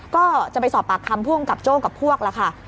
ก็จะไปสอบปากคำผู้กับโจ๊กกับพวกล่ะครับ